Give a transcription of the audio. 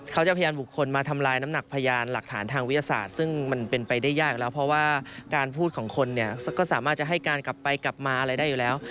พยานบุคคลมาทำลายน้ำหนักพยานหลักฐานทางวิทยาศาสตร์ซึ่งมันเป็นไปได้ยากแล้วเพราะว่าการพูดของคนเนี่ยก็สามารถจะให้การกลับไปกลับมาอะไรได้อยู่แล้ว